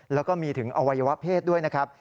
แล้วก็มีถึงอวัยวะเพศด้วยนะครับ